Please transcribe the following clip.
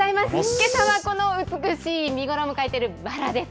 けさはこの美しい、見頃を迎えているバラです。